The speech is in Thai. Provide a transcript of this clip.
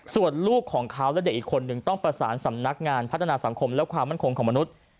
ส่วนลูกของเขาและเด็กอีกคนนึงต้องประสานสำนักงานพัฒนาสังคมและความมั่นคงของมนุษย์